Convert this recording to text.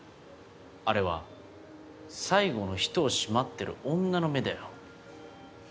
あれは最後のひと押し待ってる女の目だよ。